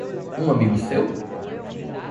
Um amigo seu?